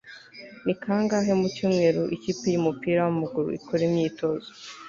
ni kangahe mu cyumweru ikipe yumupira wamaguru ikora imyitozo